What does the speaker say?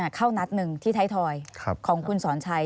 เข้านัดหนึ่งที่ไทยทอยของคุณสอนชัย